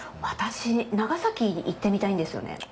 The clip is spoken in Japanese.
ワタシ長崎行ってみたいんですよね。